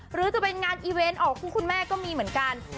หรือจะเป็นงานอีเวนต์ออกคู่คุณแม่ก็มีเหมือนกัน